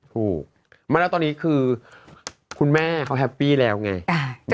ถูกไม่แล้วตอนนี้คือคุณแม่เขาแฮปปี้แล้วไง